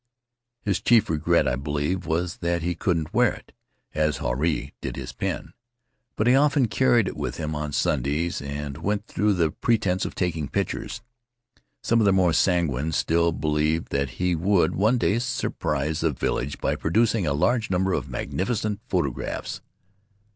His chief regret, I believe, was that he couldn't wear it, as Huarai did his pen. But he often carried it with him on Sundays and went through the pretense of taking pictures. Some of the more sanguine still believed that he would one day surprise the vil lage by producing a large number of magnificent photographs.